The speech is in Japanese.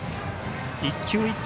１球１球